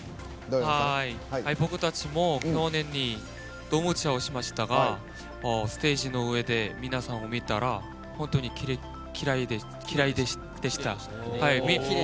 僕たちも去年にドームツアーをしましたがステージの上で皆さんを見たら本当にきれいでした。